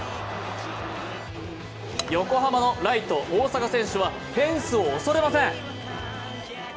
横浜のライト・大坂選手はフェンスを恐れません。